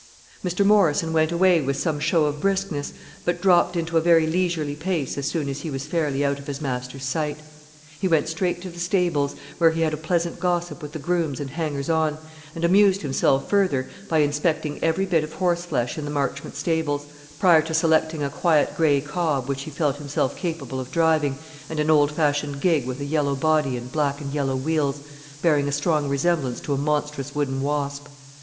Mr. Morrison went away with some show of briskness, but dropped into a very leisurely pace as soon as he was fairly out of his master's sight. He went straight to the stables, where he had a pleasant gossip with the grooms and hangers on, and amused himself further by inspecting every bit of horseflesh in the Marchmont stables, prior to selecting a quiet grey cob which he felt himself capable of driving, and an old fashioned gig with a yellow body and black and yellow wheels, bearing a strong resemblance to a monstrous wooden wasp.